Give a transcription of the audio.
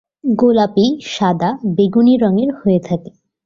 গোলাপী, সাদা, বেগুনী রঙের হয়ে থাকে।